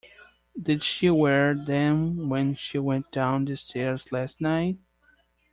Did she wear them when she went down the stairs last night?